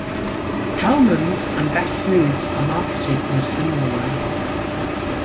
Hellmann's and Best Foods are marketed in a similar way.